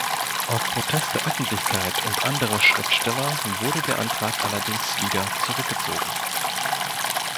Auf Protest der Öffentlichkeit und anderer Schriftsteller wurde der Antrag allerdings wieder zurückgezogen.